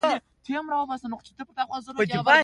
زه د کندوز اوسیدونکي یم